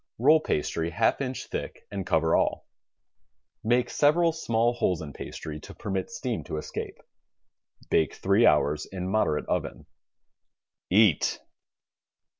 Roll pastry half inch thick and cover all. Make several small holes in pastry to permit steam to escape. Bake three hours in moderate oven. EAT.